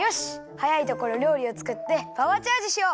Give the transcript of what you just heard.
はやいところりょうりをつくってパワーチャージしよう。